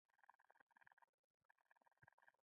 پیاله له وحدته ډکه ده.